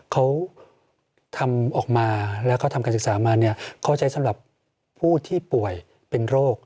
เขาทำออกมาแล้วก็ทำการศึกษามาเนี่ยเข้าใจสำหรับผู้ที่ป่วยเป็นโรค